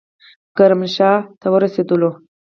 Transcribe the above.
کرمانشاه ته ورسېدلو.